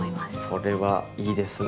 それはいいですね！